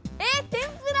天ぷら。